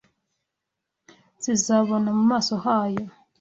Zizabona mu maso hayo,